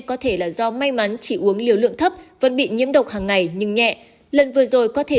có thể là do may mắn chỉ uống liều lượng thấp vẫn bị nhiễm độc hàng ngày nhưng nhẹ lần vừa rồi có thể